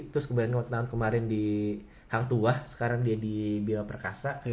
terus kemarin di hang tuah sekarang dia di bima perkasa